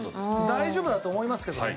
大丈夫だと思いますけどね。